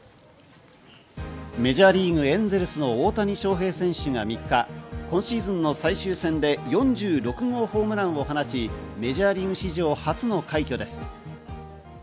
メジャーリーグ・エンゼルスの大谷翔平選手が３日、今シーズン最終戦で４６号ホームランを放ち、メジャーリーグ史上初の快挙です。